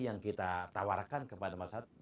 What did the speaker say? yang kita tawarkan kepada masyarakat